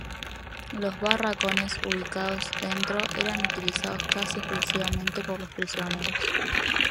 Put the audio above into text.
Los barracones ubicados dentro eran utilizados casi exclusivamente por los prisioneros.